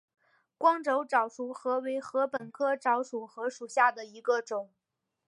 光轴早熟禾为禾本科早熟禾属下的一个种。